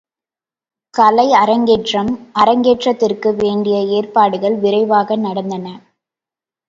கலை அரங்கேற்றம் அரங்கேற்றத்திற்கு வேண்டிய ஏற்பாடுகள் விரைவாக நடந்தன.